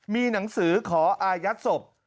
มีหนังสือขออายัดศพ